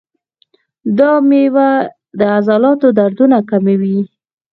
دا میوه د عضلاتو دردونه کموي.